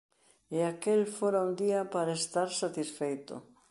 E aquel fora un día para estar satisfeito.